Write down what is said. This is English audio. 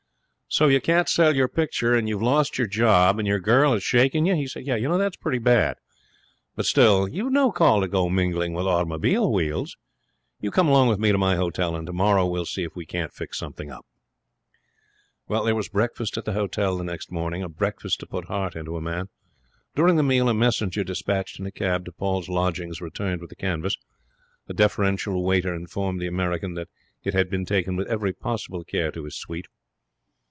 'So you can't sell your picture, and you've lost your job, and your girl has shaken you?' he said. 'Pretty bad, but still you've no call to go mingling with automobile wheels. You come along with me to my hotel, and tomorrow we'll see if we can't fix up something.' There was breakfast at the hotel next morning, a breakfast to put heart into a man. During the meal a messenger dispatched in a cab to Paul's lodgings returned with the canvas. A deferential waiter informed the American that it had been taken with every possible care to his suite.